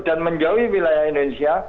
dan menjauhi wilayah indonesia